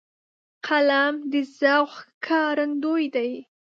قلم د ذوق ښکارندوی دی